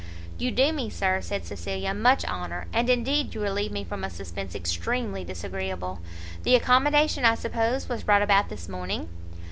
"You do me, sir," said Cecilia, "much honour; and indeed you relieve me from a suspense extremely disagreeable. The accommodation, I suppose, was brought about this morning?"